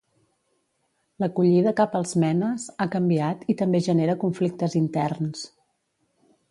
L'acollida cap als MENAs ha canviat i també genera conflictes interns.